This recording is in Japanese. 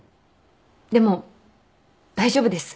でも大丈夫です。